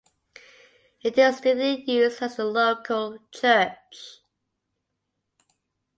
It is still in use as the local church.